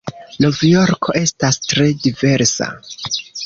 Novjorko estas tre diversa.